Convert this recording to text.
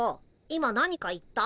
今何か言った？